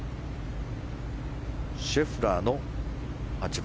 シェフラーの８番。